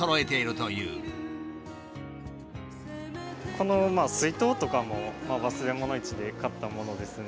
この水筒とかも忘れ物市で買ったものですね。